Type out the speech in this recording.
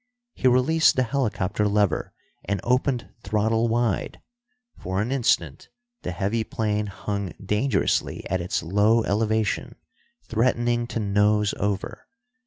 He released the helicopter lever and opened throttle wide. For an instant the heavy plane hung dangerously at its low elevation, threatening to nose over.